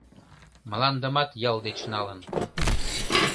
Мландымат ял деч налын